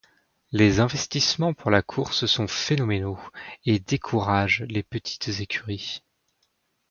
Les investissements pour la course sont phénoménaux et découragent les petites écuries.